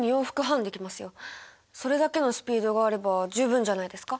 それだけのスピードがあれば十分じゃないですか？